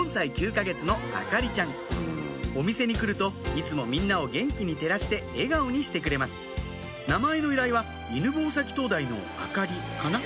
お店に来るといつもみんなを元気に照らして笑顔にしてくれます名前の由来は犬吠埼灯台の明かりかな？